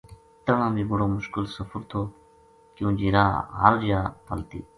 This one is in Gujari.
تہنا بے بڑو مشکل سفر تھوکیون جے راہ ہر جا پل تھی